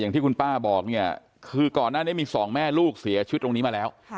ที่คุณป้าบอกเนี่ยคือก่อนหน้านี้มีสองแม่ลูกเสียชีวิตตรงนี้มาแล้ว